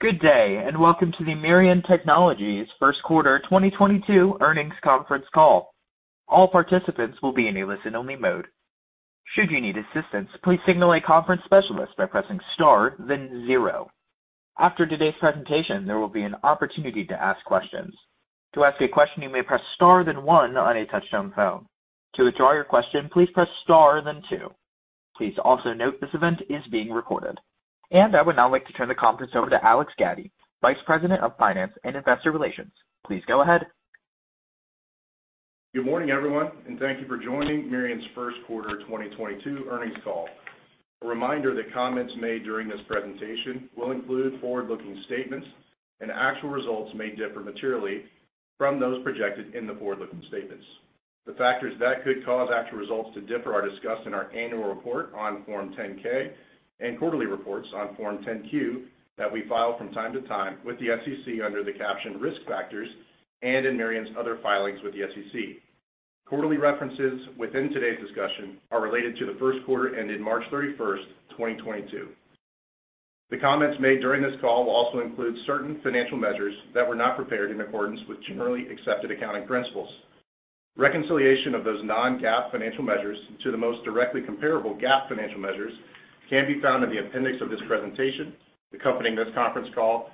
Good day, and welcome to the Mirion Technologies First Quarter 2022 Earnings Conference Call. All participants will be in a listen-only mode. Should you need assistance, please signal a conference specialist by pressing star then zero. After today's presentation, there will be an opportunity to ask questions. To ask a question, you may press star then one on a touch-tone phone. To withdraw your question, please press star then two. Please also note this event is being recorded. I would now like to turn the conference over to Alex Gaddy, Vice President of Finance and Investor Relations. Please go ahead. Good morning, everyone, and thank you for joining Mirion's first quarter 2022 earnings call. A reminder that comments made during this presentation will include forward-looking statements and actual results may differ materially from those projected in the forward-looking statements. The factors that could cause actual results to differ are discussed in our annual report on Form 10-K and quarterly reports on Form 10-Q that we file from time to time with the SEC under the captioned risk factors and in Mirion's other filings with the SEC. Quarterly references within today's discussion are related to the first quarter that ended March 31, 2022. The comments made during this call will also include certain financial measures that were not prepared in accordance with generally accepted accounting principles. Reconciliation of those non-GAAP financial measures to the most directly comparable GAAP financial measures can be found in the appendix of this presentation accompanying this conference call,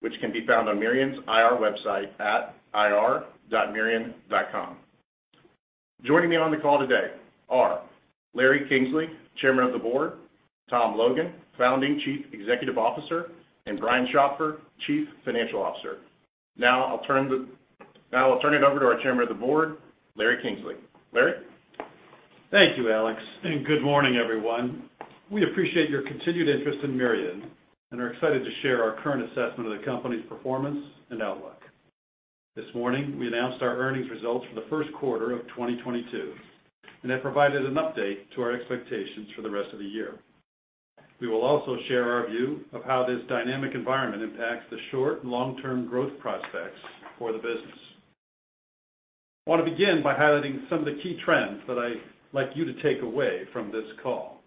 which can be found on Mirion's IR website at ir.mirion.com. Joining me on the call today are Larry Kingsley, Chairman of the Board, Tom Logan, Founding Chief Executive Officer, and Brian Schopfer, Chief Financial Officer. Now I'll turn it over to our Chairman of the Board, Larry Kingsley. Larry? Thank you, Alex, and good morning, everyone. We appreciate your continued interest in Mirion and are excited to share our current assessment of the company's performance and outlook. This morning, we announced our earnings results for the first quarter of 2022, and have provided an update to our expectations for the rest of the year. We will also share our view of how this dynamic environment impacts the short- and long-term growth prospects for the business. I wanna begin by highlighting some of the key trends that I like you to take away from this call.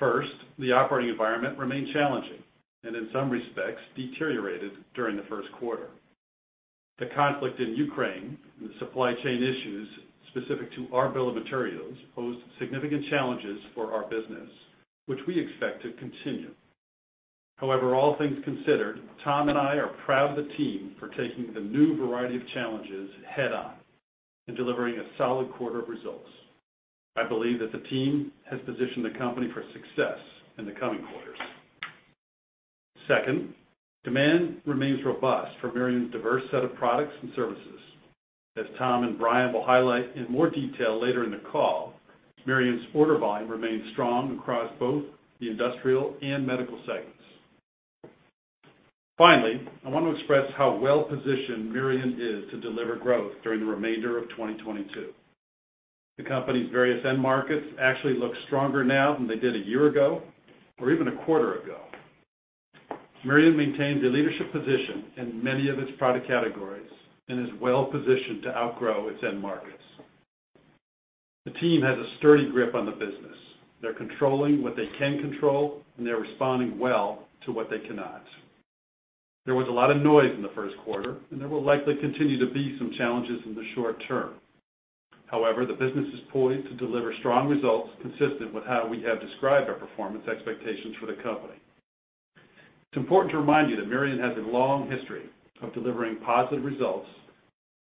First, the operating environment remained challenging and in some respects deteriorated during the first quarter. The conflict in Ukraine and the supply chain issues specific to our bill of materials pose significant challenges for our business, which we expect to continue. However, all things considered, Tom and I are proud of the team for taking the new variety of challenges head on and delivering a solid quarter of results. I believe that the team has positioned the company for success in the coming quarters. Second, demand remains robust for Mirion's diverse set of products and services. As Tom and Brian will highlight in more detail later in the call, Mirion's order volume remains strong across both the industrial and medical segments. Finally, I want to express how well-positioned Mirion is to deliver growth during the remainder of 2022. The company's various end markets actually look stronger now than they did a year ago or even a quarter ago. Mirion maintains a leadership position in many of its product categories and is well positioned to outgrow its end markets. The team has a sturdy grip on the business. They're controlling what they can control, and they're responding well to what they cannot. There was a lot of noise in the first quarter, and there will likely continue to be some challenges in the short term. However, the business is poised to deliver strong results consistent with how we have described our performance expectations for the company. It's important to remind you that Mirion has a long history of delivering positive results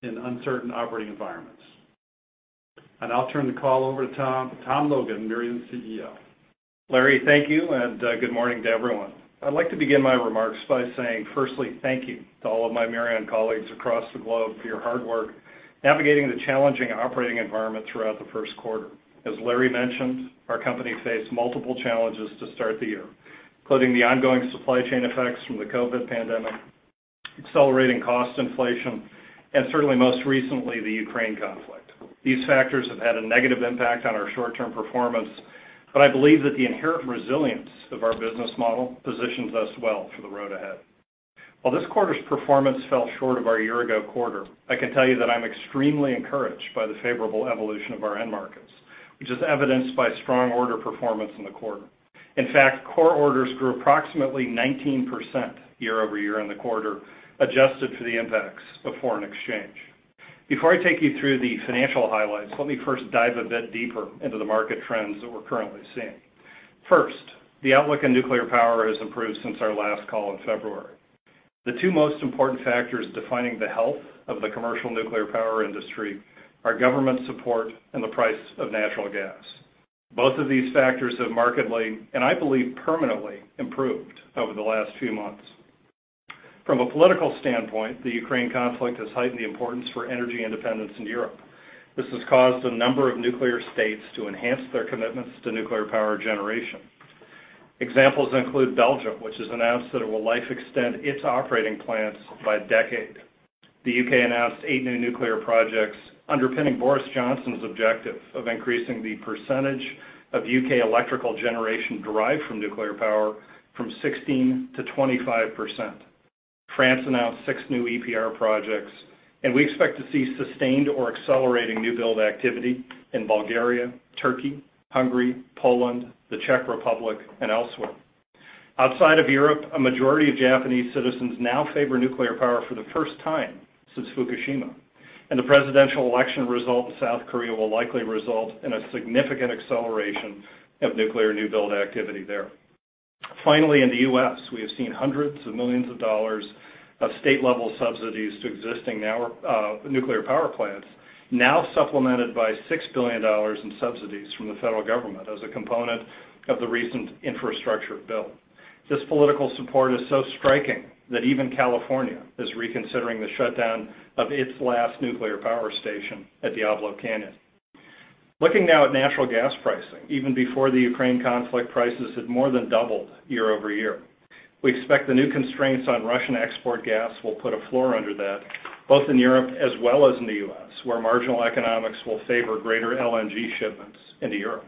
in uncertain operating environments. I'll turn the call over to Tom, Thomas Logan, Mirion's CEO. Larry, thank you, and good morning to everyone. I'd like to begin my remarks by saying firstly thank you to all of my Mirion colleagues across the globe for your hard work navigating the challenging operating environment throughout the first quarter. As Larry mentioned, our company faced multiple challenges to start the year, including the ongoing supply chain effects from the COVID pandemic, accelerating cost inflation, and certainly most recently, the Ukraine conflict. These factors have had a negative impact on our short-term performance, but I believe that the inherent resilience of our business model positions us well for the road ahead. While this quarter's performance fell short of our year ago quarter, I can tell you that I'm extremely encouraged by the favorable evolution of our end markets, which is evidenced by strong order performance in the quarter. In fact, core orders grew approximately 19% year-over-year in the quarter, adjusted for the impacts of foreign exchange. Before I take you through the financial highlights, let me first dive a bit deeper into the market trends that we're currently seeing. First, the outlook in nuclear power has improved since our last call in February. The two most important factors defining the health of the commercial nuclear power industry are government support and the price of natural gas. Both of these factors have markedly, and I believe permanently, improved over the last few months. From a political standpoint, the Ukraine conflict has heightened the importance for energy independence in Europe. This has caused a number of nuclear states to enhance their commitments to nuclear power generation. Examples include Belgium, which has announced that it will life-extend its operating plants by a decade. The U.K. announced 8 new nuclear projects underpinning Boris Johnson's objective of increasing the percentage of U.K. electrical generation derived from nuclear power from 16% to 25%. France announced 6 new EPR projects, and we expect to see sustained or accelerating new build activity in Bulgaria, Turkey, Hungary, Poland, the Czech Republic and elsewhere. Outside of Europe, a majority of Japanese citizens now favor nuclear power for the first time since Fukushima, and the presidential election result in South Korea will likely result in a significant acceleration of nuclear new build activity there. Finally, in the U.S., we have seen $hundreds of millions of state level subsidies to existing nuclear power plants now supplemented by $6 billion in subsidies from the federal government as a component of the recent infrastructure bill. This political support is so striking that even California is reconsidering the shutdown of its last nuclear power station at Diablo Canyon. Looking now at natural gas pricing. Even before the Ukraine conflict, prices had more than doubled year-over-year. We expect the new constraints on Russian export gas will put a floor under that, both in Europe as well as in the U.S., where marginal economics will favor greater LNG shipments into Europe.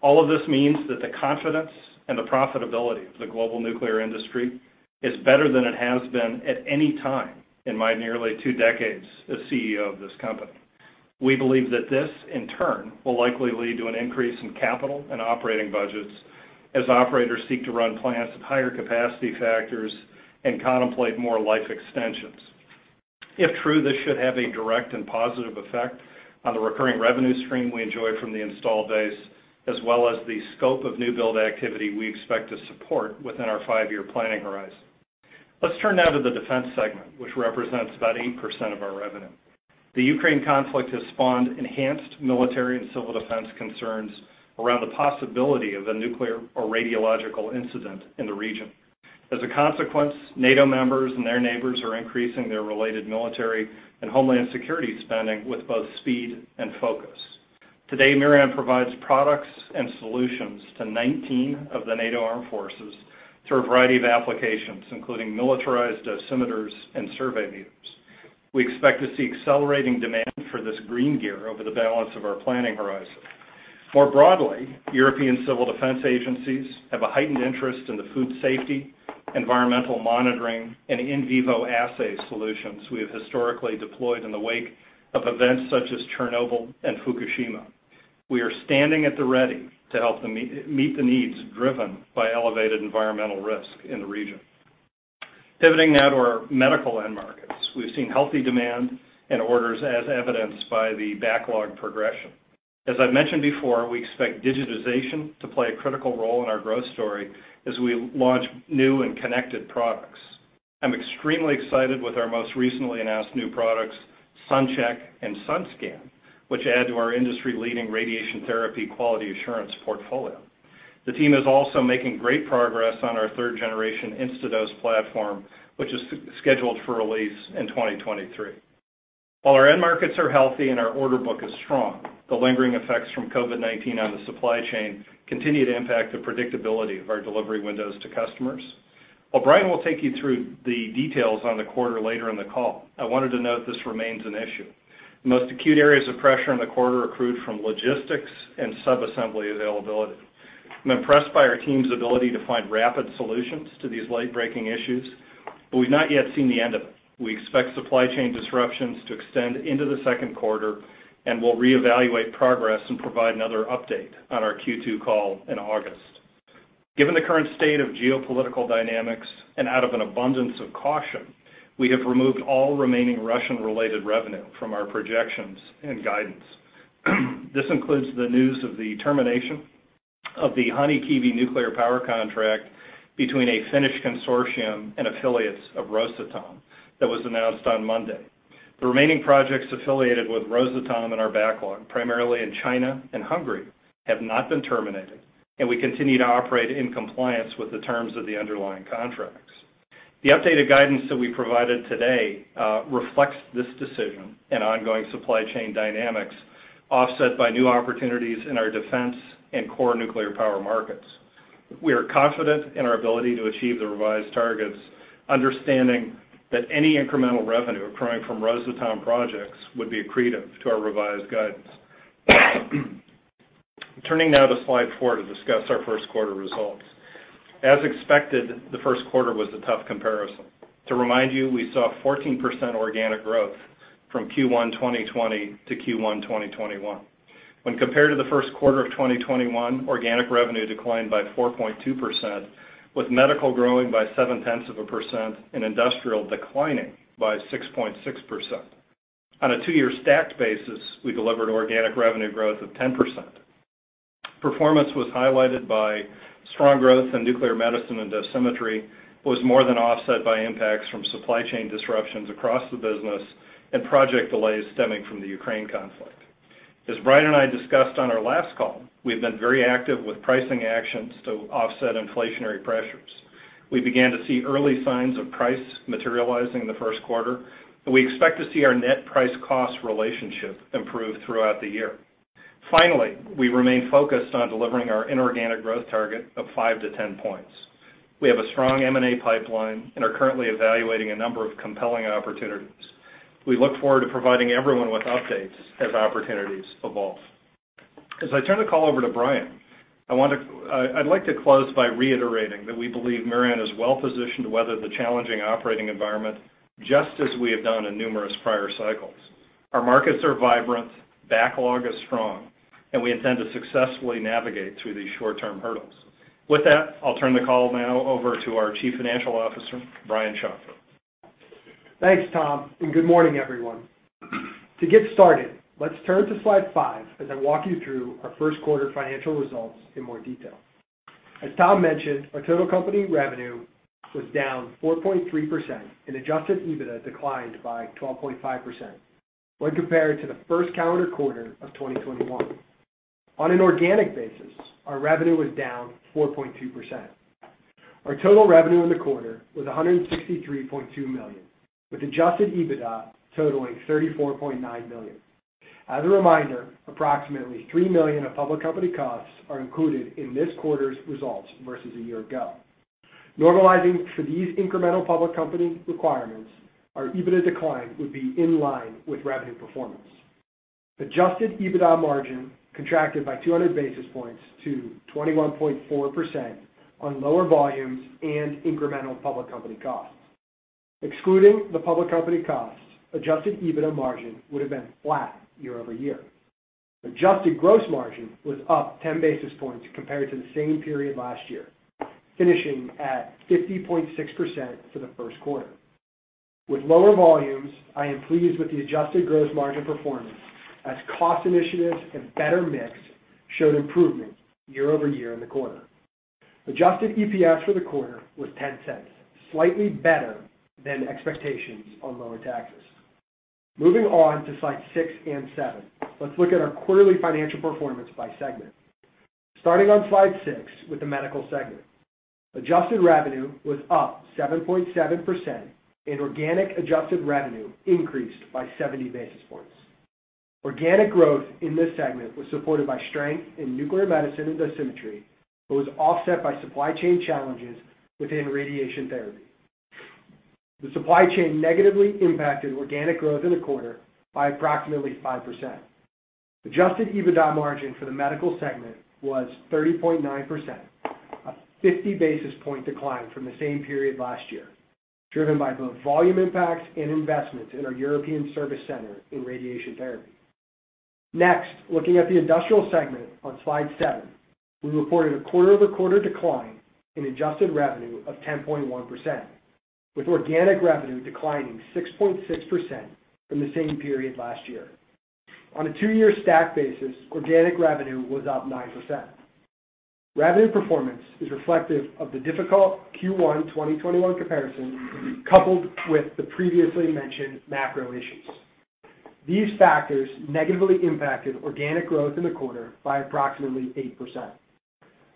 All of this means that the confidence and the profitability of the global nuclear industry is better than it has been at any time in my nearly two decades as CEO of this company. We believe that this, in turn, will likely lead to an increase in capital and operating budgets as operators seek to run plants at higher capacity factors and contemplate more life extensions. If true, this should have a direct and positive effect on the recurring revenue stream we enjoy from the installed base, as well as the scope of new build activity we expect to support within our five-year planning horizon. Let's turn now to the defense segment, which represents about 8% of our revenue. The Ukraine conflict has spawned enhanced military and civil defense concerns around the possibility of a nuclear or radiological incident in the region. As a consequence, NATO members and their neighbors are increasing their related military and homeland security spending with both speed and focus. Today, Mirion provides products and solutions to 19 of the NATO armed forces through a variety of applications, including militarized dosimeters and survey meters. We expect to see accelerating demand for this green gear over the balance of our planning horizon. More broadly, European civil defense agencies have a heightened interest in the food safety, environmental monitoring, and in vivo assay solutions we have historically deployed in the wake of events such as Chernobyl and Fukushima. We are standing at the ready to help meet the needs driven by elevated environmental risk in the region. Pivoting now to our medical end markets. We've seen healthy demand and orders as evidenced by the backlog progression. As I've mentioned before, we expect digitization to play a critical role in our growth story as we launch new and connected products. I'm extremely excited with our most recently announced new products, SunCHECK and SunSCAN, which add to our industry-leading radiation therapy quality assurance portfolio. The team is also making great progress on our third generation Instadose platform, which is scheduled for release in 2023. While our end markets are healthy and our order book is strong, the lingering effects from COVID-19 on the supply chain continue to impact the predictability of our delivery windows to customers. While Brian will take you through the details on the quarter later in the call, I wanted to note this remains an issue. The most acute areas of pressure in the quarter accrued from logistics and sub-assembly availability. I'm impressed by our team's ability to find rapid solutions to these late-breaking issues, but we've not yet seen the end of it. We expect supply chain disruptions to extend into the second quarter, and we'll reevaluate progress and provide another update on our Q2 call in August. Given the current state of geopolitical dynamics and out of an abundance of caution, we have removed all remaining Russian-related revenue from our projections and guidance. This includes the news of the termination of the Hanhikivi nuclear power contract between a Finnish consortium and affiliates of Rosatom that was announced on Monday. The remaining projects affiliated with Rosatom in our backlog, primarily in China and Hungary, have not been terminated, and we continue to operate in compliance with the terms of the underlying contracts. The updated guidance that we provided today reflects this decision and ongoing supply chain dynamics offset by new opportunities in our defense and core nuclear power markets. We are confident in our ability to achieve the revised targets, understanding that any incremental revenue occurring from Rosatom projects would be accretive to our revised guidance. Turning now to slide 4 to discuss our first quarter results. As expected, the first quarter was a tough comparison. To remind you, we saw 14% organic growth from Q1 2020 to Q1 2021. When compared to the first quarter of 2021, organic revenue declined by 4.2%, with medical growing by 0.7%, and industrial declining by 6.6%. On a two-year stacked basis, we delivered organic revenue growth of 10%. Performance was highlighted by strong growth in nuclear medicine and dosimetry, was more than offset by impacts from supply chain disruptions across the business and project delays stemming from the Ukraine conflict. As Brian and I discussed on our last call, we have been very active with pricing actions to offset inflationary pressures. We began to see early signs of price materializing in the first quarter, and we expect to see our net price cost relationship improve throughout the year. Finally, we remain focused on delivering our inorganic growth target of 5-10 points. We have a strong M&A pipeline and are currently evaluating a number of compelling opportunities. We look forward to providing everyone with updates as opportunities evolve. As I turn the call over to Brian, I'd like to close by reiterating that we believe Mirion is well-positioned to weather the challenging operating environment just as we have done in numerous prior cycles. Our markets are vibrant, backlog is strong, and we intend to successfully navigate through these short-term hurdles. With that, I'll turn the call now over to our Chief Financial Officer, Brian Schopfer. Thanks, Tom, and good morning, everyone. To get started, let's turn to slide 5 as I walk you through our first quarter financial results in more detail. As Tom mentioned, our total company revenue was down 4.3% and adjusted EBITDA declined by 12.5% when compared to the first calendar quarter of 2021. On an organic basis, our revenue was down 4.2%. Our total revenue in the quarter was $163.2 million, with adjusted EBITDA totaling $34.9 million. As a reminder, approximately $3 million of public company costs are included in this quarter's results versus a year ago. Normalizing for these incremental public company requirements, our EBITDA decline would be in line with revenue performance. Adjusted EBITDA margin contracted by 200 basis points to 21.4% on lower volumes and incremental public company costs. Excluding the public company costs, adjusted EBITDA margin would have been flat year-over-year. Adjusted gross margin was up 10 basis points compared to the same period last year, finishing at 50.6% for the first quarter. With lower volumes, I am pleased with the adjusted gross margin performance as cost initiatives and better mix showed improvement year-over-year in the quarter. Adjusted EPS for the quarter was $0.10, slightly better than expectations on lower taxes. Moving on to slide 6 and 7, let's look at our quarterly financial performance by segment. Starting on slide 6 with the Medical segment. Adjusted revenue was up 7.7%, and organic adjusted revenue increased by 70 basis points. Organic growth in this segment was supported by strength in nuclear medicine and dosimetry, but was offset by supply chain challenges within radiation therapy. The supply chain negatively impacted organic growth in the quarter by approximately 5%. Adjusted EBITDA margin for the Medical segment was 30.9%, a 50 basis point decline from the same period last year, driven by both volume impacts and investments in our European service center in radiation therapy. Next, looking at the Industrial segment on slide 7, we reported a quarter-over-quarter decline in adjusted revenue of 10.1%, with organic revenue declining 6.6% from the same period last year. On a two-year stack basis, organic revenue was up 9%. Revenue performance is reflective of the difficult Q1 2021 comparison coupled with the previously mentioned macro issues. These factors negatively impacted organic growth in the quarter by approximately 8%.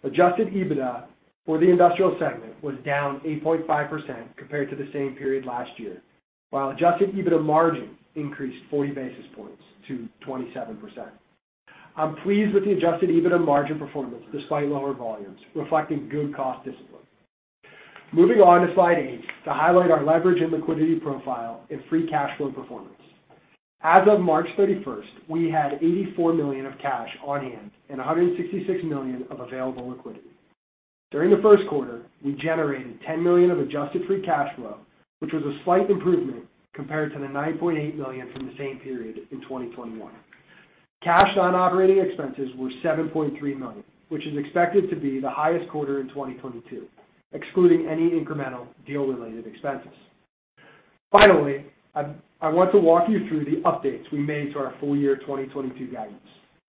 Adjusted EBITDA for the Industrial segment was down 8.5% compared to the same period last year, while adjusted EBITDA margin increased 40 basis points to 27%. I'm pleased with the adjusted EBITDA margin performance despite lower volumes, reflecting good cost discipline. Moving on to slide 8 to highlight our leverage and liquidity profile and free cash flow performance. As of March 31, we had $84 million of cash on hand and $166 million of available liquidity. During the first quarter, we generated $10 million of adjusted free cash flow, which was a slight improvement compared to the $9.8 million from the same period in 2021. Cash non-operating expenses were $7.3 million, which is expected to be the highest quarter in 2022, excluding any incremental deal-related expenses. I want to walk you through the updates we made to our full year 2022 guidance.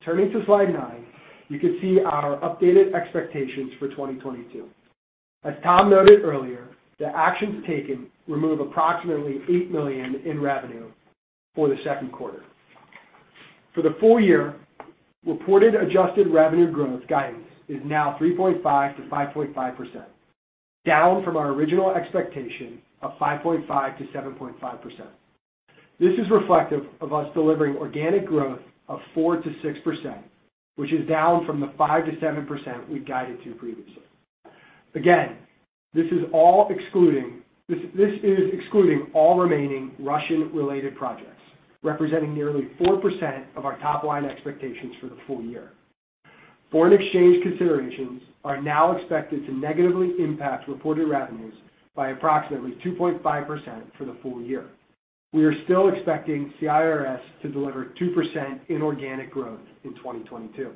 Turning to slide 9, you can see our updated expectations for 2022. As Tom noted earlier, the actions taken remove approximately $8 million in revenue for the second quarter. For the full year, reported adjusted revenue growth guidance is now 3.5%-5.5%, down from our original expectation of 5.5%-7.5%. This is reflective of us delivering organic growth of 4%-6%, which is down from the 5%-7% we guided to previously. Again, this is excluding all remaining Russian-related projects, representing nearly 4% of our top line expectations for the full year. Foreign exchange considerations are now expected to negatively impact reported revenues by approximately 2.5% for the full year. We are still expecting CIRS to deliver 2% inorganic growth in 2022.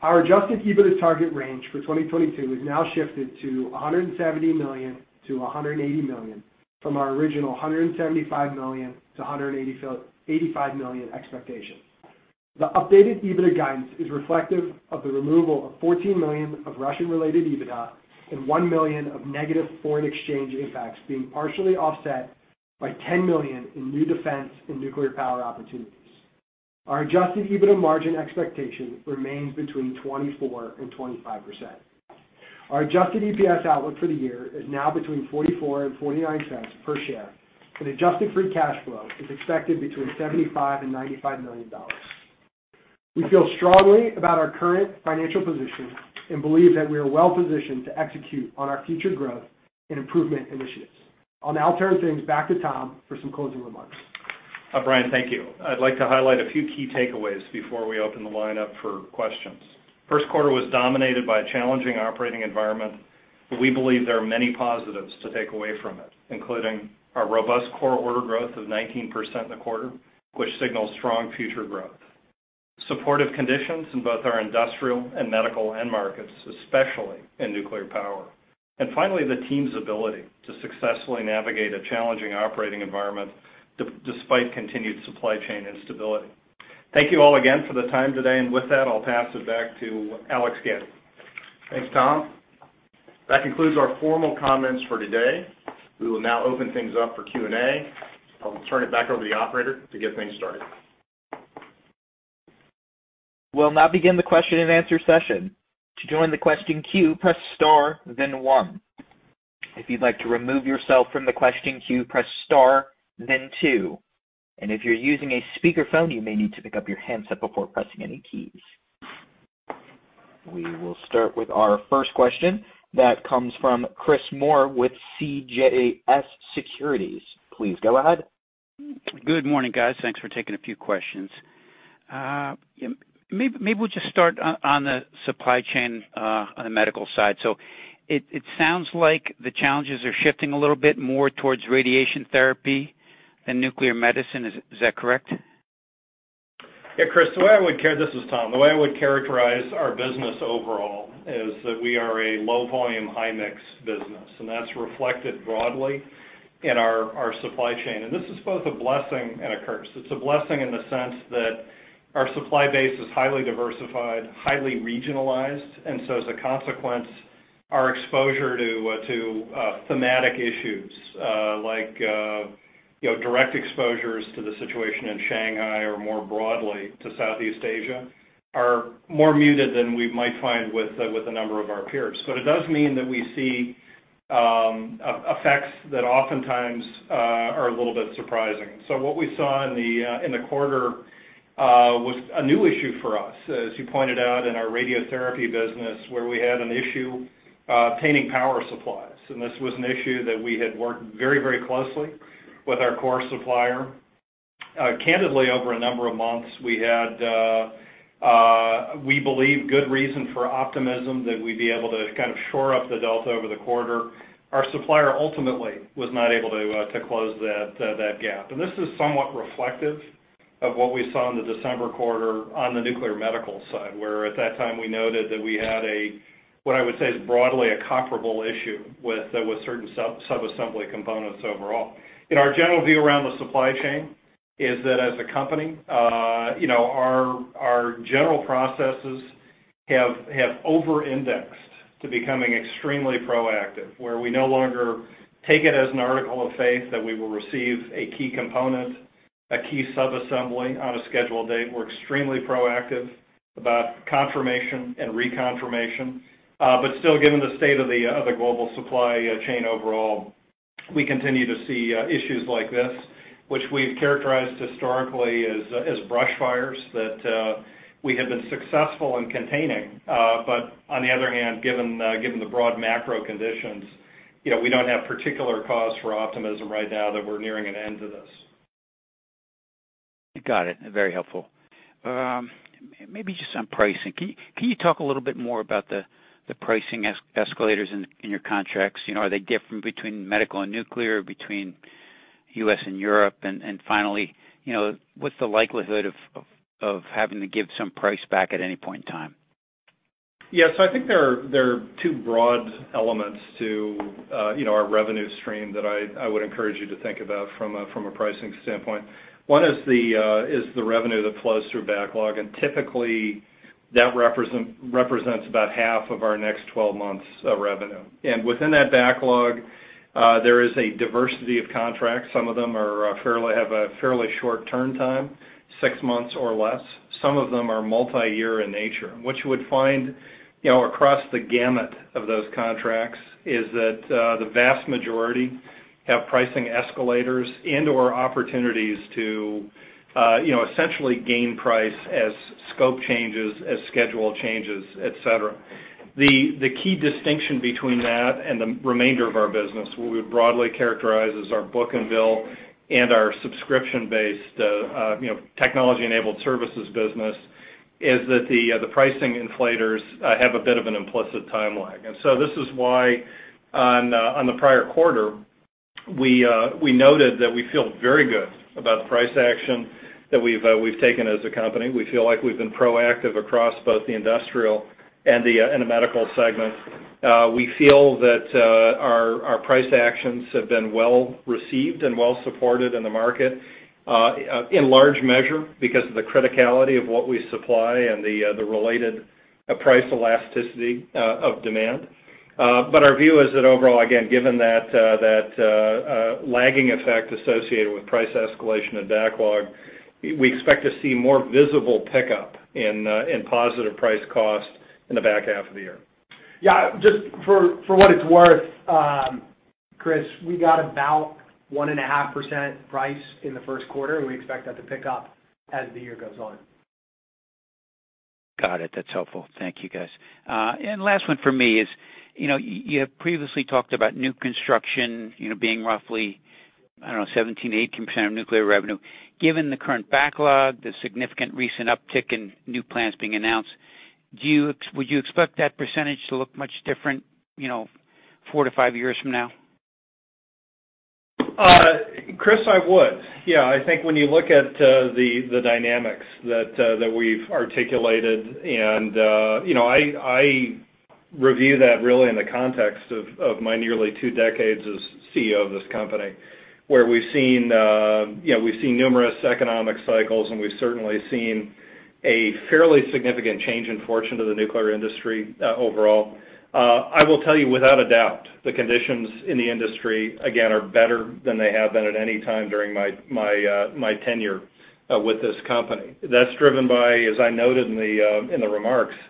Our adjusted EBITDA target range for 2022 has now shifted to $170 million-$180 million from our original $175 million-$185 million expectations. The updated EBITDA guidance is reflective of the removal of $14 million of Russian-related EBITDA and $1 million of negative foreign exchange impacts being partially offset by $10 million in new defense and nuclear power opportunities. Our adjusted EBITDA margin expectation remains between 24% and 25%. Our adjusted EPS outlook for the year is now between 44 and 49 cents per share, and adjusted free cash flow is expected between $75 million and $95 million. We feel strongly about our current financial position and believe that we are well-positioned to execute on our future growth and improvement initiatives. I'll now turn things back to Tom for some closing remarks. Brian, thank you. I'd like to highlight a few key takeaways before we open the line up for questions. First quarter was dominated by a challenging operating environment, but we believe there are many positives to take away from it, including our robust core order growth of 19% in the quarter, which signals strong future growth. Supportive conditions in both our industrial and medical end markets, especially in nuclear power. Finally, the team's ability to successfully navigate a challenging operating environment despite continued supply chain instability. Thank you all again for the time today. With that, I'll pass it back to Alex Gaddy. Thanks, Tom. That concludes our formal comments for today. We will now open things up for Q&A. I'll turn it back over to the operator to get things started. We'll now begin the question-and-answer session. To join the question queue, press star then one. If you'd like to remove yourself from the question queue, press star then two. If you're using a speaker phone, you may need to pick up your handset before pressing any keys. We will start with our first question. That comes from Chris Moore with CJS Securities. Please go ahead. Good morning, guys. Thanks for taking a few questions. Maybe we'll just start on the supply chain on the medical side. It sounds like the challenges are shifting a little bit more towards radiation therapy than nuclear medicine. Is that correct? Yeah, Chris. This is Tom. The way I would characterize our business overall is that we are a low volume, high mix business, and that's reflected broadly in our supply chain. This is both a blessing and a curse. It's a blessing in the sense that our supply base is highly diversified, highly regionalized. So as a consequence, our exposure to thematic issues like you know direct exposures to the situation in Shanghai or more broadly to Southeast Asia are more muted than we might find with a number of our peers. It does mean that we see effects that oftentimes are a little bit surprising. What we saw in the quarter was a new issue for us. As you pointed out in our radiotherapy business, where we had an issue obtaining power supplies. This was an issue that we had worked very, very closely with our core supplier. Candidly, over a number of months, we had we believe good reason for optimism that we'd be able to kind of shore up the delta over the quarter. Our supplier ultimately was not able to to close that gap. This is somewhat reflective of what we saw in the December quarter on the nuclear medicine side, where at that time we noted that we had a what I would say is broadly a comparable issue with certain subassembly components overall. Our general view around the supply chain is that as a company, our general processes have over-indexed to becoming extremely proactive, where we no longer take it as an article of faith that we will receive a key component, a key subassembly on a scheduled date. We're extremely proactive about confirmation and reconfirmation. Still, given the state of the global supply chain overall, we continue to see issues like this, which we've characterized historically as brush fires that we have been successful in containing. On the other hand, given the broad macro conditions, we don't have particular cause for optimism right now that we're nearing an end to this. Got it. Very helpful. Maybe just on pricing. Can you talk a little bit more about the pricing escalators in your contracts? Are they different between medical and nuclear, between U.S. and Europe? Finally, what's the likelihood of having to give some price back at any point in time? I think there are two broad elements to our revenue stream that I would encourage you to think about from a pricing standpoint. One is the revenue that flows through backlog, and typically, that represents about half of our next 12 months of revenue. Within that backlog, there is a diversity of contracts. Some of them have a fairly short turn time, 6 months or less. Some of them are multi-year in nature. What you would find across the gamut of those contracts is that the vast majority have pricing escalators and/or opportunities to essentially gain price as scope changes, as schedule changes, et cetera. The key distinction between that and the remainder of our business, what we would broadly characterize as our book and bill and our subscription-based, you know, technology-enabled services business, is that the pricing inflation have a bit of an implicit time lag. This is why on the prior quarter, we noted that we feel very good about the price action that we've taken as a company. We feel like we've been proactive across both the industrial and the medical segment. We feel that our price actions have been well received and well supported in the market, in large measure because of the criticality of what we supply and the related price elasticity of demand. Our view is that overall, again, given that lagging effect associated with price escalation and backlog, we expect to see more visible pickup in positive price cost in the back half of the year. Yeah, just for what it's worth, Chris, we got about 1.5% pricing in the first quarter, and we expect that to pick up as the year goes on. Got it. That's helpful. Thank you, guys. Last one for me is, you have previously talked about new construction, being roughly, I don't know, 17%-18% of nuclear revenue. Given the current backlog, the significant recent uptick in new plants being announced, would you expect that percentage to look much different, you know, 4-5 years from now? Chris, I would. I think when you look at the dynamics that we've articulated, and I review that really in the context of my nearly two decades as CEO of this company, where we've seen you know numerous economic cycles, and we've certainly seen a fairly significant change in fortune to the nuclear industry overall. I will tell you, without a doubt, the conditions in the industry, again, are better than they have been at any time during my tenure with this company. That's driven by, as I noted in the remarks, a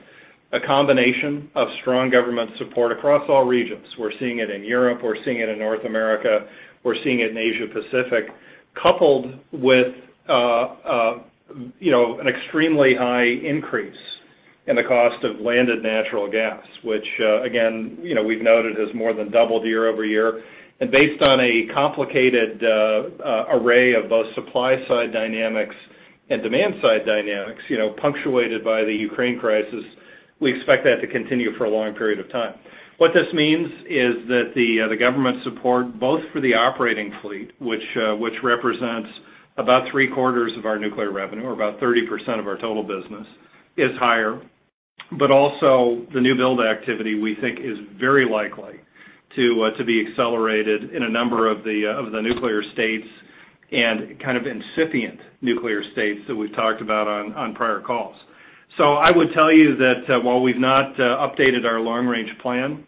combination of strong government support across all regions. We're seeing it in Europe, we're seeing it in North America, we're seeing it in Asia Pacific, coupled with, you know, an extremely high increase in the cost of landed natural gas, which, again, you know, we've noted has more than doubled year-over-year. Based on a complicated array of both supply side dynamics and demand side dynamics, you know, punctuated by the Ukraine crisis, we expect that to continue for a long period of time. What this means is that the government support, both for the operating fleet, which represents about three quarters of our nuclear revenue or about 30% of our total business is higher. Also the new build activity, we think is very likely to be accelerated in a number of the nuclear states and kind of incipient nuclear states that we've talked about on prior calls. I would tell you that while we've not updated our long range plan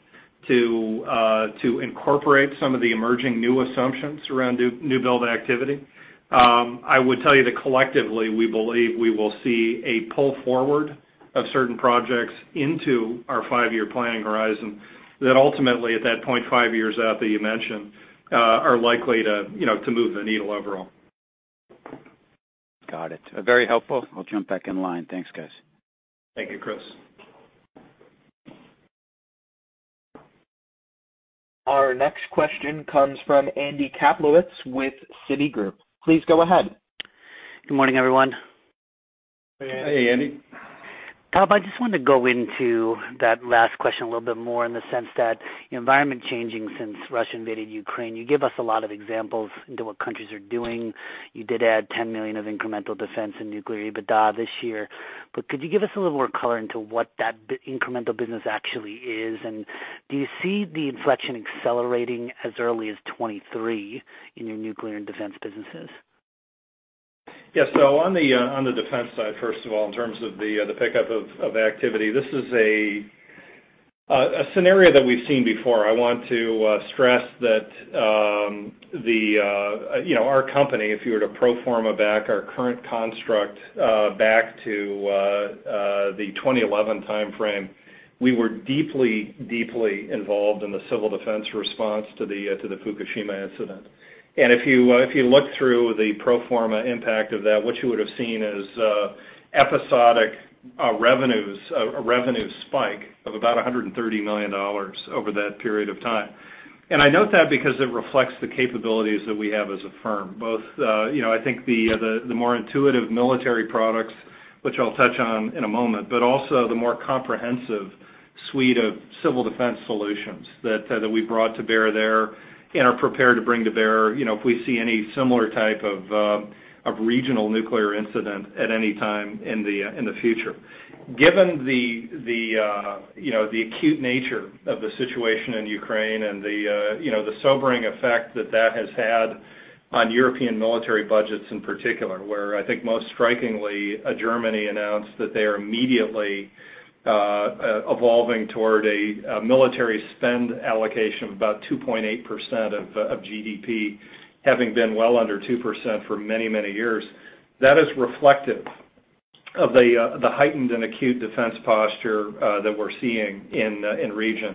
to incorporate some of the emerging new assumptions around new build activity, I would tell you that collectively, we believe we will see a pull forward of certain projects into our five-year planning horizon that ultimately, at that point five years out that you mentioned, are likely to you know to move the needle overall. Got it. Very helpful. I'll jump back in line. Thanks, guys. Thank you, Chris. Our next question comes from Andrew Kaplowitz with Citigroup. Please go ahead. Good morning, everyone. Hey, Andy. Hey, Andy. Tom, I just wanted to go into that last question a little bit more in the sense that the environment changing since Russia invaded Ukraine. You gave us a lot of examples as to what countries are doing. You did add $10 million of incremental defense and nuclear EBITDA this year. Could you give us a little more color on what that incremental business actually is? Do you see the inflection accelerating as early as 2023 in your nuclear and defense businesses? Yes. On the defense side, first of all, in terms of the pickup of activity, this is a scenario that we've seen before. I want to stress that our company, if you were to pro forma back our current construct, back to the 2011 timeframe, we were deeply involved in the civil defense response to the Fukushima incident. If you look through the pro forma impact of that, what you would have seen is episodic revenues, a revenue spike of about $130 million over that period of time. I note that because it reflects the capabilities that we have as a firm, both, I think the more intuitive military products, which I'll touch on in a moment, but also the more comprehensive suite of civil defense solutions that we've brought to bear there and are prepared to bring to bear, if we see any similar type of regional nuclear incident at any time in the future. Given the acute nature of the situation in Ukraine and the sobering effect that that has had on European military budgets in particular, where I think most strikingly, Germany announced that they are immediately evolving toward a military spend allocation of about 2.8% of GDP, having been well under 2% for many, many years. That is reflective of the heightened and acute defense posture that we're seeing in the region.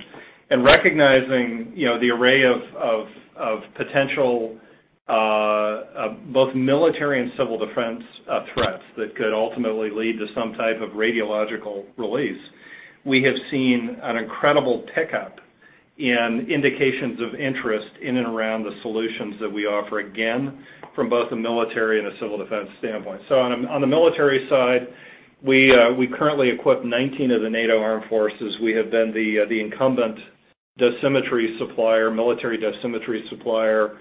Recognizing you know the array of potential of both military and civil defense threats that could ultimately lead to some type of radiological release, we have seen an incredible pickup in indications of interest in and around the solutions that we offer, again, from both a military and a civil defense standpoint. On the military side, we currently equip 19 of the NATO armed forces. We have been the incumbent dosimetry supplier, military dosimetry supplier,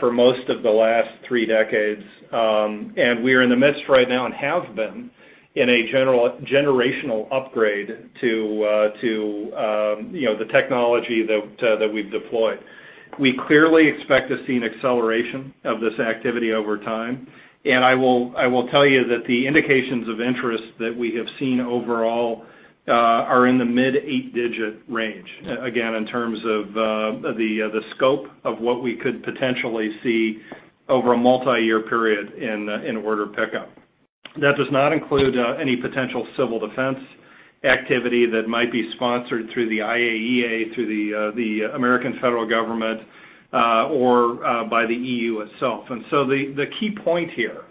for most of the last three decades. We're in the midst right now and have been in a generational upgrade to you know the technology that we've deployed. We clearly expect to see an acceleration of this activity over time. I will tell you that the indications of interest that we have seen overall are in the mid-8-digit range, again, in terms of the scope of what we could potentially see over a multi-year period in order pickup. That does not include any potential civil defense activity that might be sponsored through the IAEA, through the American federal government, or by the EU itself. The key point here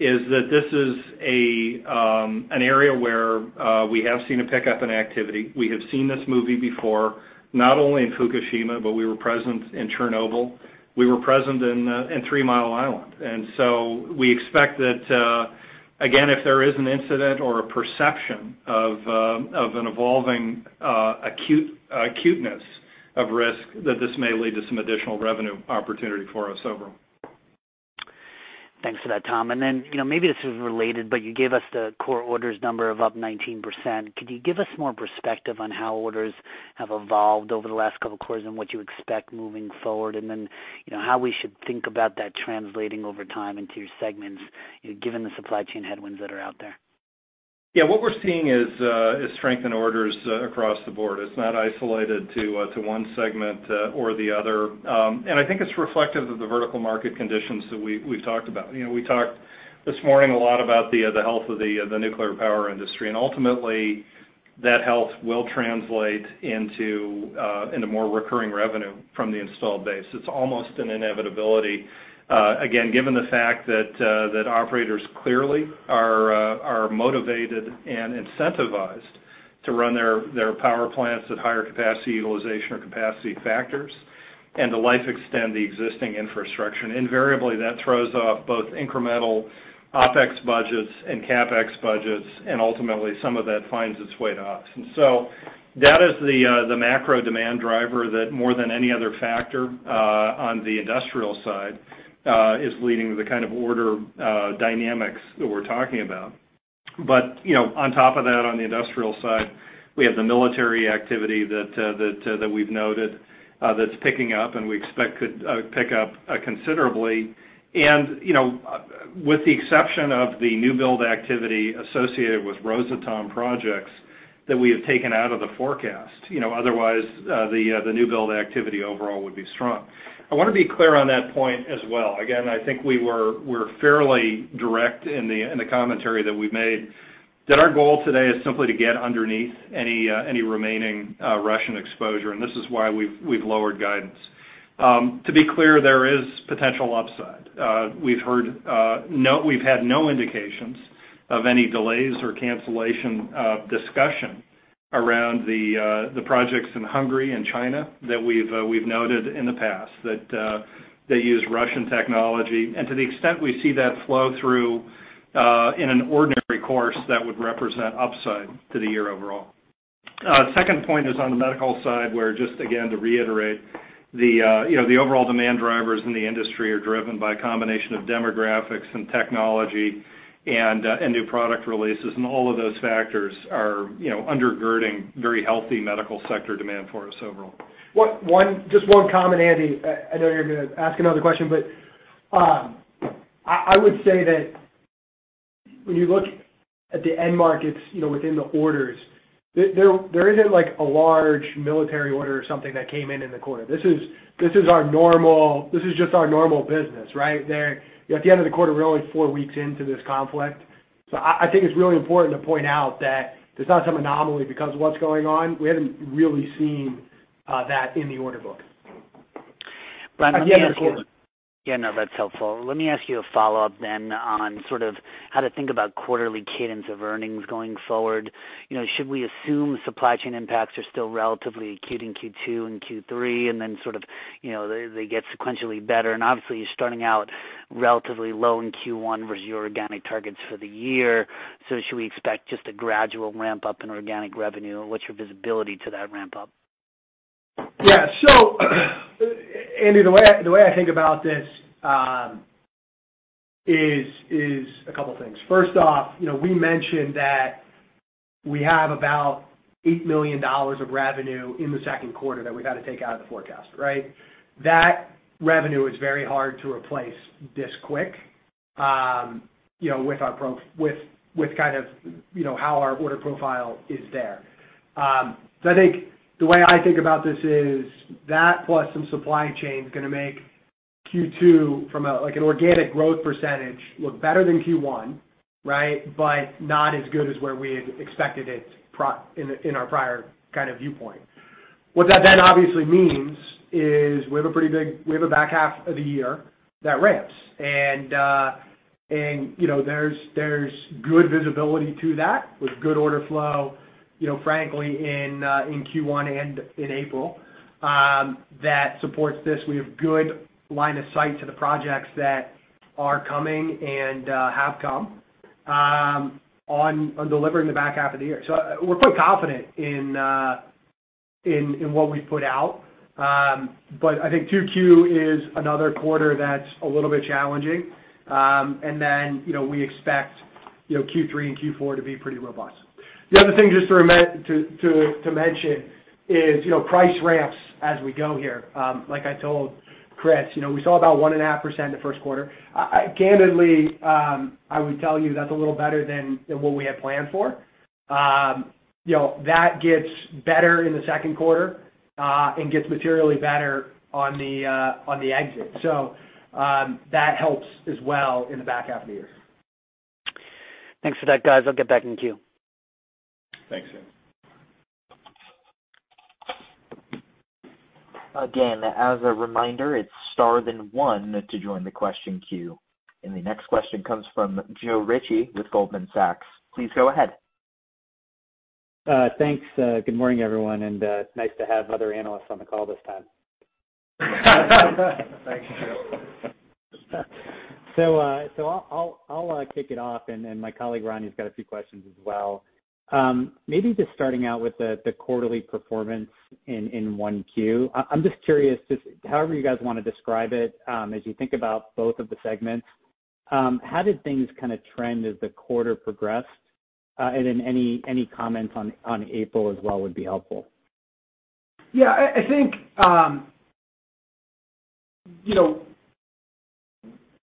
is that this is an area where we have seen a pickup in activity. We have seen this movie before, not only in Fukushima, but we were present in Chernobyl. We were present in Three Mile Island. We expect that again, if there is an incident or a perception of an evolving acute acuteness of risk, that this may lead to some additional revenue opportunity for us overall. Thanks for that, Tom. Then, maybe this is related, but you gave us the core orders number up 19%. Could you give us more perspective on how orders have evolved over the last couple of quarters and what you expect moving forward? Then, how we should think about that translating over time into your segments, given the supply chain headwinds that are out there. Yeah, what we're seeing is strength in orders across the board. It's not isolated to one segment or the other. I think it's reflective of the vertical market conditions that we've talked about. We talked this morning a lot about the health of the nuclear power industry, and ultimately that health will translate into more recurring revenue from the installed base. It's almost an inevitability again, given the fact that operators clearly are motivated and incentivized to run their power plants at higher capacity utilization or capacity factors and to life extend the existing infrastructure. Invariably, that throws off both incremental OpEx budgets and CapEx budgets, and ultimately some of that finds its way to us. That is the macro demand driver that more than any other factor on the industrial side is leading the kind of order dynamics that we're talking about. You know, on top of that, on the industrial side, we have the military activity that we've noted that's picking up and we expect could pick up considerably. With the exception of the new build activity associated with Rosatom projects that we have taken out of the forecast, you know, otherwise the new build activity overall would be strong. I wanna be clear on that point as well. Again, I think we're fairly direct in the commentary that we've made, that our goal today is simply to get underneath any remaining Russian exposure, and this is why we've lowered guidance. To be clear, there is potential upside. We've had no indications of any delays or cancellation discussion around the projects in Hungary and China that we've noted in the past that they use Russian technology. To the extent we see that flow through in an ordinary course, that would represent upside to the year overall. Second point is on the medical side, where just again, to reiterate the, the overall demand drivers in the industry are driven by a combination of demographics and technology and new product releases, and all of those factors are, undergirding very healthy medical sector demand for us overall. Just one comment, Andy. I know you're gonna ask another question, but I would say that when you look at the end markets, within the orders, there isn't like a large military order or something that came in in the quarter. This is just our normal business, right? At the end of the quarter, we're only four weeks into this conflict. I think it's really important to point out that it's not some anomaly because of what's going on. We haven't really seen that in the order book. Brian, let me ask you. At the end of the quarter. Yeah, no, that's helpful. Let me ask you a follow-up then on sort of how to think about quarterly cadence of earnings going forward. Should we assume supply chain impacts are still relatively acute in Q2 and Q3, and then sort of, you know, they get sequentially better? And obviously, you're starting out relatively low in Q1 versus your organic targets for the year. Should we expect just a gradual ramp-up in organic revenue? What's your visibility to that ramp-up? Yeah. Andy, the way I think about this is a couple things. First off, you know, we mentioned that we have about $8 million of revenue in the second quarter that we've had to take out of the forecast, right? That revenue is very hard to replace this quick, with kind of how our order profile is there. I think the way I think about this is that plus some supply chain is gonna make Q2 from like an organic growth percentage look better than Q1, right? But not as good as where we had expected it in our prior kind of viewpoint. What that then obviously means is we have a pretty big back half of the year that ramps. There's good visibility to that with good order flow, you know, frankly, in Q1 and in April, that supports this. We have good line of sight to the projects that are coming and have come on delivering the back half of the year. We're pretty confident in what we've put out. I think 2Q is another quarter that's a little bit challenging. You know, we expect, you know, Q3 and Q4 to be pretty robust. The other thing just to mention is, price ramps as we go here. Like I told Chris, we saw about 1.5% the first quarter. Candidly, I would tell you that's a little better than what we had planned for. You know, that gets better in the second quarter, and gets materially better on the exit. That helps as well in the back half of the year. Thanks for that, guys. I'll get back in queue. Thanks, Andy. Again, as a reminder, it's star then one to join the question queue. The next question comes from Joe Ritchie with Goldman Sachs. Please go ahead. Thanks. Good morning, everyone, and nice to have other analysts on the call this time. Thanks, Joe. I'll kick it off, and then my colleague Ronnie's got a few questions as well. Maybe just starting out with the quarterly performance in 1Q. I'm just curious, just however you guys wanna describe it, as you think about both of the segments, how did things kinda trend as the quarter progressed? Any comments on April as well would be helpful. Yeah. I think,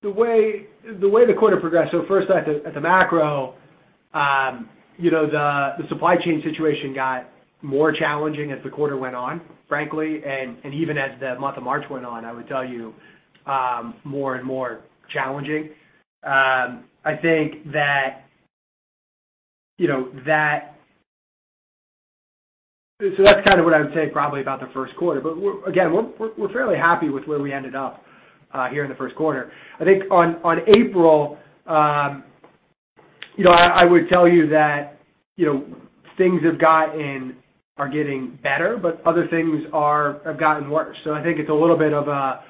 the way the quarter progressed, first at the macro, you know, the supply chain situation got more challenging as the quarter went on, frankly. Even as the month of March went on, I would tell you, more and more challenging. I think that. That's kind of what I would say probably about the first quarter. We're again fairly happy with where we ended up here in the first quarter. I think on April, I would tell you that, things are getting better, but other things have gotten worse. I think it's a little bit of a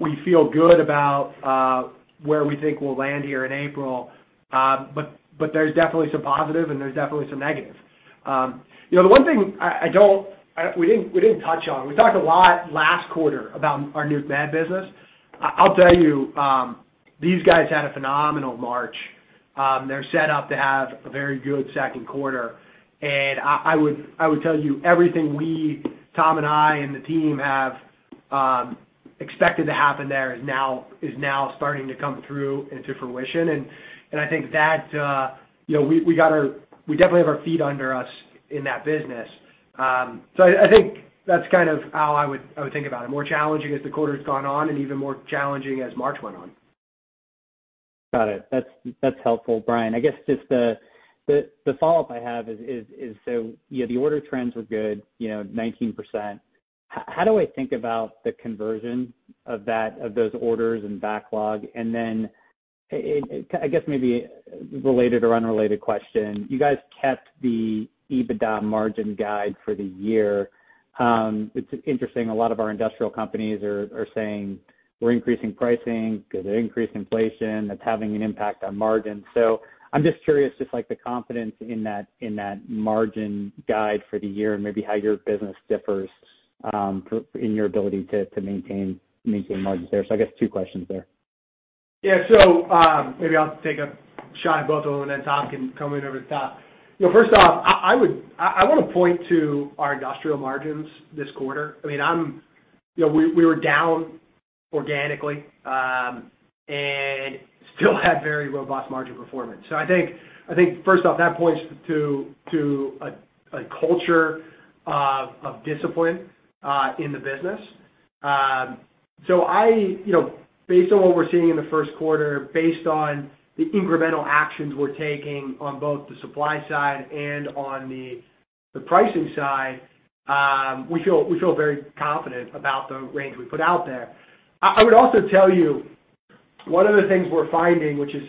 we feel good about where we think we'll land here in April. There's definitely some positive, and there's definitely some negatives. The one thing we didn't touch on, we talked a lot last quarter about our new MAD business. I'll tell you, these guys had a phenomenal March. They're set up to have a very good second quarter. I would tell you everything we, Tom and I, and the team have expected to happen there is now starting to come through into fruition. I think that, you know, we definitely have our feet under us in that business. I think that's kind of how I would think about it. More challenging as the quarter's gone on and even more challenging as March went on. Got it. That's helpful, Brian. I guess just the follow-up I have is so, you know, the order trends were good, you know, 19%. How do I think about the conversion of that, of those orders and backlog? I guess maybe related or unrelated question, you guys kept the EBITDA margin guide for the year. It's interesting, a lot of our industrial companies are saying we're increasing pricing 'cause of increased inflation, that's having an impact on margins. I'm just curious, just like the confidence in that, in that margin guide for the year and maybe how your business differs, in your ability to maintain margins there. I guess two questions there. Yeah, maybe I'll take a shot at both of them, and then Tom can come in over the top. First off, I wanna point to our industrial margins this quarter. I mean, you know, we were down organically and still had very robust margin performance. I think first off, that points to a culture of discipline in the business. Based on what we're seeing in the first quarter, based on the incremental actions we're taking on both the supply side and on the pricing side, we feel very confident about the range we put out there. I would also tell you one of the things we're finding, which is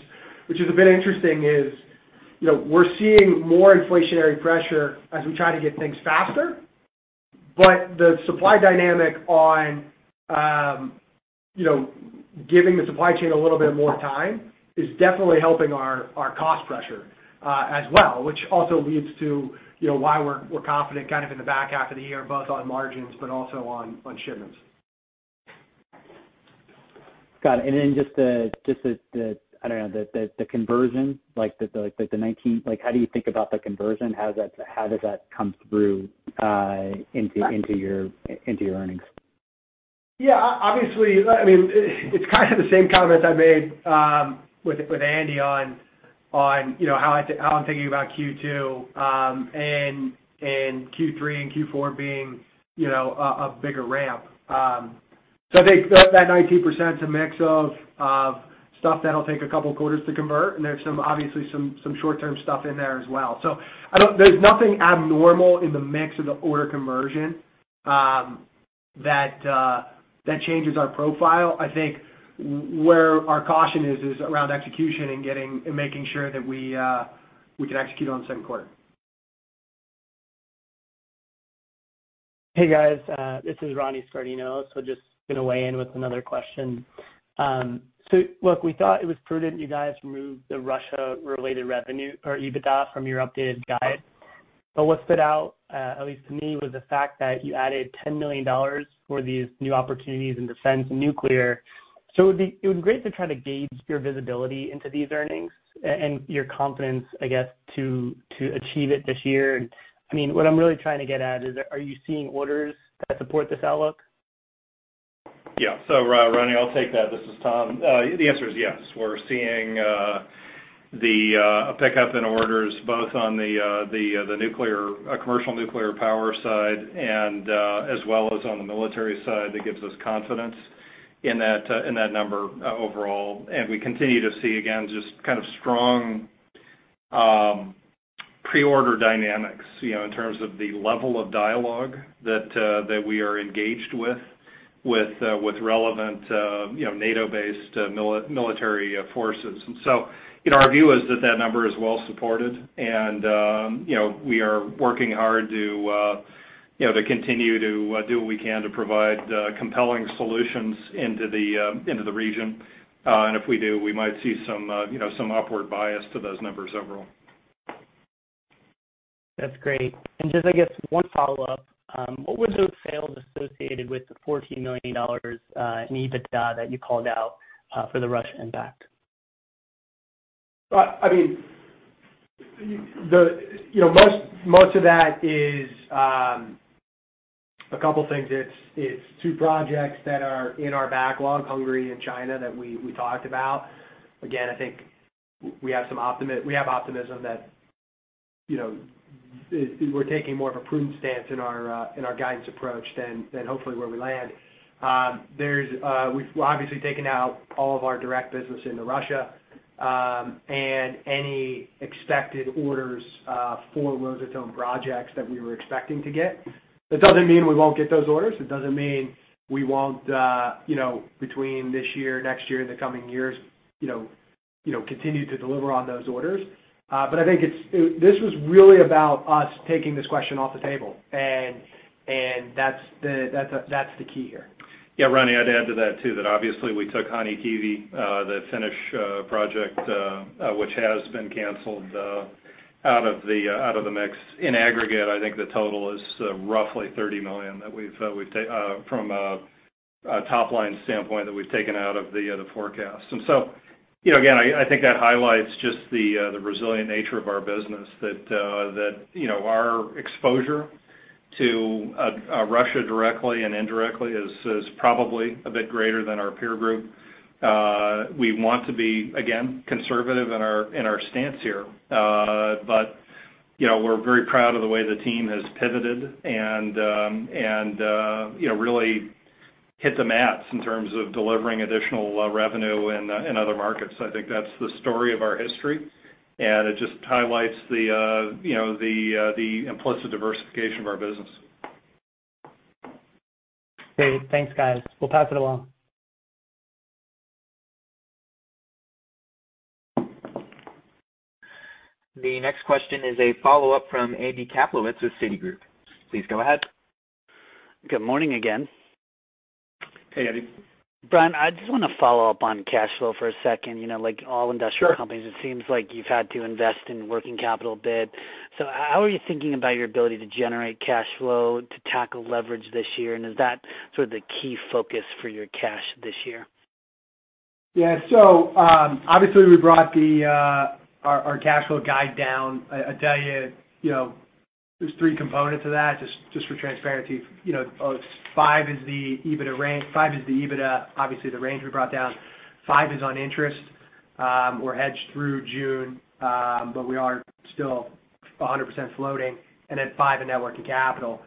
a bit interesting, you know, we're seeing more inflationary pressure as we try to get things faster. The supply dynamic on, you know, giving the supply chain a little bit more time is definitely helping our cost pressure, as well, which also leads to, you know, why we're confident kind of in the back half of the year, both on margins but also on shipments. Got it. Just the, I don't know, the conversion, like how do you think about the conversion? How does that come through into your earnings? Yeah. Obviously, I mean, it's kind of the same comment I made with Andy on you know how I'm thinking about Q2 and Q3 and Q4 being you know a bigger ramp. I think that 19%'s a mix of stuff that'll take a couple quarters to convert, and there's some obviously short-term stuff in there as well. There's nothing abnormal in the mix of the order conversion that changes our profile. I think where our caution is around execution and getting and making sure that we can execute on the second quarter. Hey, guys. This is Ronnie Sartors. Just gonna weigh in with another question. Look, we thought it was prudent you guys removed the Russia-related revenue or EBITDA from your updated guide. What stood out, at least to me, was the fact that you added $10 million for these new opportunities in defense and nuclear. It would be great to try to gauge your visibility into these earnings and your confidence, I guess, to achieve it this year. I mean, what I'm really trying to get at is, are you seeing orders that support this outlook? Yeah. Ronnie, I'll take that. This is Tom. The answer is yes. We're seeing a pickup in orders both on the commercial nuclear power side and as well as on the military side that gives us confidence in that number overall. We continue to see, again, just kind of strong preorder dynamics, in terms of the level of dialogue that we are engaged with relevant, NATO-based military forces. Our view is that that number is well supported. We are working hard to continue to do what we can to provide compelling solutions into the region. If we do, we might see some, some upward bias to those numbers overall. That's great. Just, I guess one follow-up. What was the sales associated with the $14 million in EBITDA that you called out for the Russia impact? I mean, most of that is a couple of things. It's two projects that are in our backlog, Hungary and China, that we talked about. Again, I think we have optimism that, you know, we're taking more of a prudent stance in our guidance approach than hopefully where we land. There's. We've well, obviously taken out all of our direct business into Russia, and any expected orders for Rosatom projects that we were expecting to get. That doesn't mean we won't get those orders. It doesn't mean we won't, continue to deliver on those orders, but I think this was really about us taking this question off the table. That's the key here. Yeah, Ronnie, I'd add to that too, that obviously we took Hanhikivi, the Finnish project, which has been canceled, out of the mix. In aggregate, I think the total is roughly $30 million that we've taken out of the forecast from a top-line standpoint. Again, I think that highlights just the resilient nature of our business that you know our exposure to Russia directly and indirectly is probably a bit greater than our peer group. We want to be, again, conservative in our stance here. We're very proud of the way the team has pivoted and you know, really hit the mats in terms of delivering additional revenue in other markets. I think that's the story of our history, and it just highlights the you know, the implicit diversification of our business. Great. Thanks, guys. We'll pass it along. The next question is a follow-up from Andy Kaplowitz with Citigroup. Please go ahead. Good morning again. Hey, Andy. Brian, I just wanna follow up on cash flow for a second. Like all industrial companies. Sure. It seems like you've had to invest in working capital a bit. How are you thinking about your ability to generate cash flow to tackle leverage this year? Is that sort of the key focus for your cash this year? Yeah. Obviously, we brought our cash flow guide down. I'll tell you know, there's three components of that, just for transparency. You know, $5 is the EBITDA, obviously, the range we brought down. $5 is on interest. We're hedged through June, but we are still 100% floating. Then $5 in net working capital.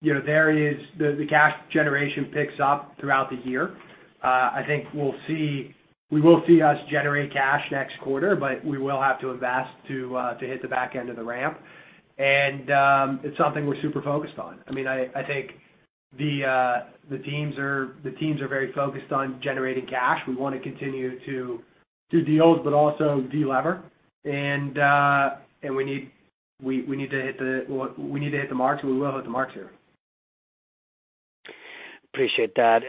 You know, there is the cash generation picks up throughout the year. I think we'll see. We will see us generate cash next quarter, but we will have to invest to hit the back end of the ramp. It's something we're super focused on. I mean, I think the teams are very focused on generating cash. We wanna continue to do deals but also de-lever. We need to hit the marks, and we will hit the marks here. Appreciate that.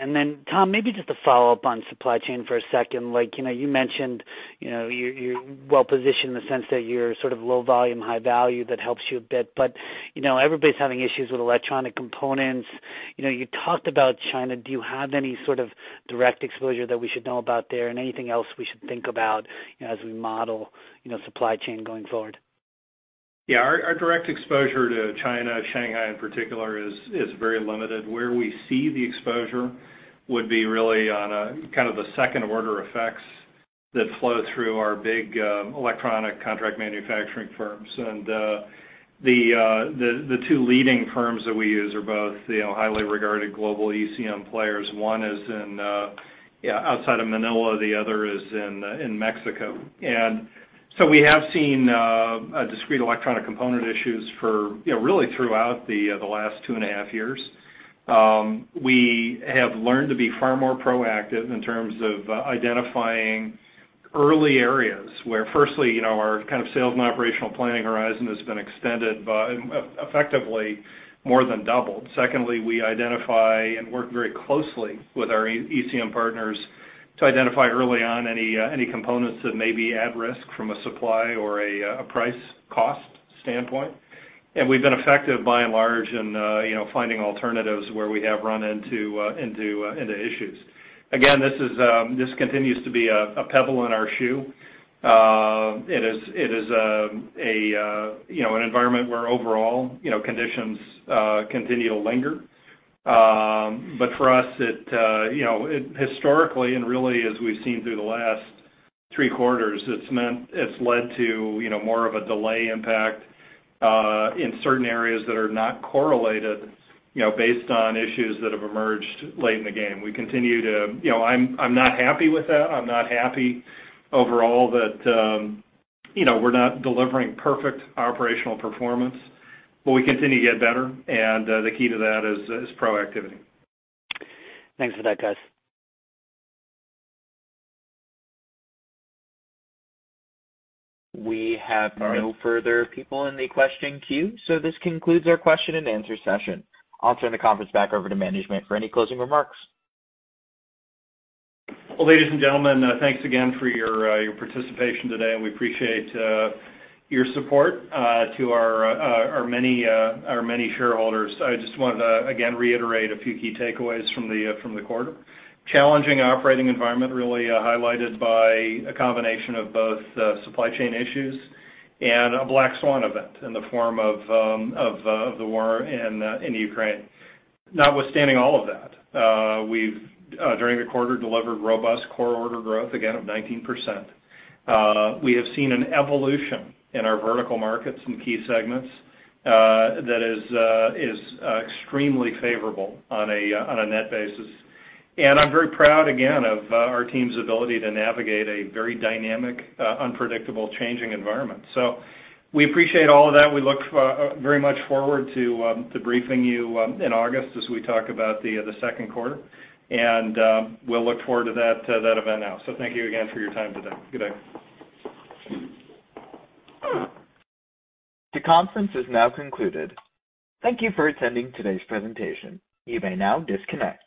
Tom, maybe just a follow-up on supply chain for a second. Like, you know, you mentioned, you know, you're well-positioned in the sense that you're sort of low volume, high value, that helps you a bit. Everybody's having issues with electronic components. You know, you talked about China. Do you have any sort of direct exposure that we should know about there and anything else we should think about, as we model supply chain going forward? Yeah. Our direct exposure to China, Shanghai in particular, is very limited. Where we see the exposure would be really on a kind of the second order effects that flow through our big electronic contract manufacturing firms. The two leading firms that we use are both, you know, highly regarded global ECM players. One is in, yeah, outside of Manila, the other is in Mexico. We have seen a discrete electronic component issues for, really throughout the last two and a half years. We have learned to be far more proactive in terms of identifying early areas where firstly, you know, our kind of sales and operational planning horizon has been extended by effectively more than doubled. Secondly, we identify and work very closely with our ECM partners to identify early on any components that may be at risk from a supply or a price cost standpoint. We've been effective by and large in you know finding alternatives where we have run into issues. Again, this continues to be a pebble in our shoe. It is you know an environment where overall you know conditions continue to linger. For us, it you know historically and really as we've seen through the last three quarters, it's led to you know more of a delay impact in certain areas that are not correlated you know based on issues that have emerged late in the game. We continue to. I'm not happy with that. I'm not happy overall that you know, we're not delivering perfect operational performance. We continue to get better, and the key to that is proactivity. Thanks for that, guys. We have no further people in the question queue, so this concludes our question and answer session. I'll turn the conference back over to management for any closing remarks. Well, ladies and gentlemen, thanks again for your participation today, and we appreciate your support to our many shareholders. I just wanted to again reiterate a few key takeaways from the quarter. Challenging operating environment really highlighted by a combination of both supply chain issues and a black swan event in the form of the war in Ukraine. Notwithstanding all of that, we've during the quarter delivered robust core order growth again of 19%. We have seen an evolution in our vertical markets and key segments that is extremely favorable on a net basis. I'm very proud again of our team's ability to navigate a very dynamic unpredictable changing environment. We appreciate all of that. We look very much forward to briefing you in August as we talk about the second quarter. We'll look forward to that event now. Thank you again for your time today. Good day. The conference is now concluded. Thank you for attending today's presentation. You may now disconnect.